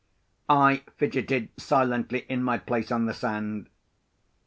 I fidgeted silently in my place on the sand.